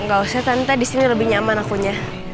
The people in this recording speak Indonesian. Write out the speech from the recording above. gak usah tante disini lebih nyaman akunya